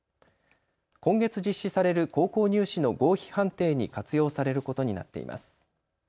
今月実施される高校入試の合否判定に活用されることになっています。